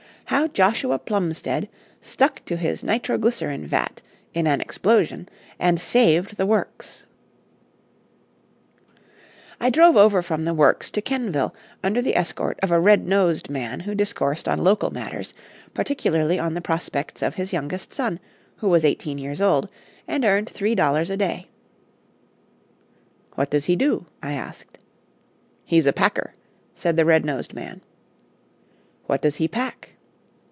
III HOW JOSHUA PLUMSTEAD STUCK TO HIS NITROGLYCERIN VAT IN AN EXPLOSION AND SAVED THE WORKS I DROVE over from the works to Kenvil under the escort of a red nosed man who discoursed on local matters, particularly on the prospects of his youngest son, who was eighteen years old and earned three dollars a day. "What does he do?" I asked. "He's a packer," said the red nosed man. "What does he pack?"